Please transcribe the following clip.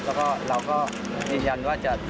แล้วเราก็นิยันว่าทำการจับกระบวนการ